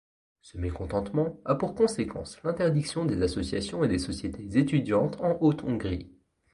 Ce mécontentement a pour conséquence l'interdiction des associations et des sociétés étudiantes en Haute-Hongrie.